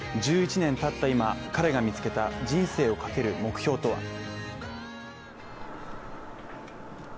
１１年たった今、彼が見つけた人生をかける目標とは。